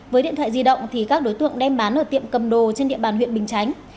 với điện thoại di động thì các đối tượng đem bán ở tiệm cầm đồ trên địa bàn huyện bình chánh